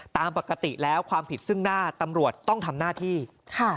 ตามปกติแล้วความผิดซึ่งหน้าตำรวจต้องทำหน้าที่ค่ะ